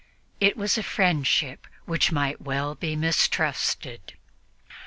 It was a friendship which might well be mistrusted.